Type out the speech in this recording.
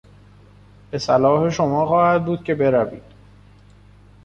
به صلاح شما خواهد بود که بروید.